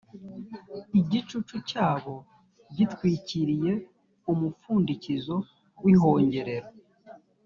igicucu cyabo gitwikiriye umupfundikizo w’ ihongerero.